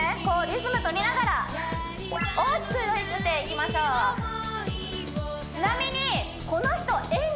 こうリズム取りながら大きく腕を振っていきましょうちなみにこの人お？